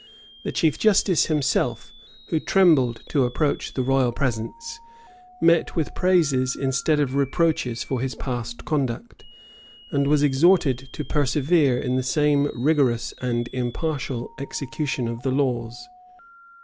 The chief justice himself, who trembled to approach the royal presence, met with praises instead of reproaches for his past conduct, and was exhorted to persevere in the same rigorous and impartial execution of the laws.